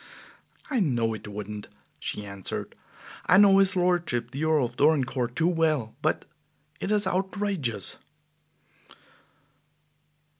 "I know it wouldn't," she answered. "I know his lordship the Earl of Dorincourt too well; but it is outrageous."